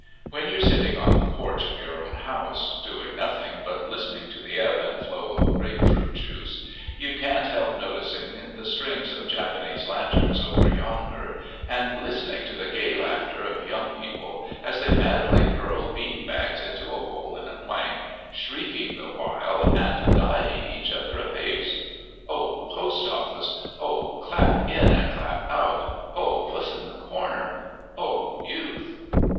When you're sitting on the porch of your own house doing nothing but listening to the ebb and flow of grape fruit juice, you can't help noticing the strings of Japanese lanterns over yonder, and listening to the gay laughter of young people as they madly hurl bean bags into a hole in a plank, shrieking the while and guying each other apace. O, Postoffice! O, clap in an clap out! O, Puss in the corner! O, Youth!